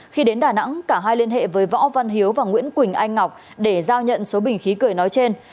khi đến đà nẵng cả hai liên hệ với võ văn hiếu và nguyễn quỳnh anh ngọc để giao nhận số bình khí cười nói trên